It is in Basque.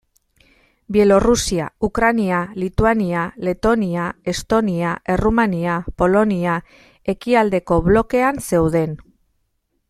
Bielorrusia, Ukraina, Lituania, Letonia, Estonia, Errumania, Polonia ekialdeko blokean zeuden.